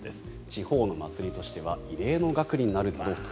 地方のまつりとしては異例の額になるだろうと。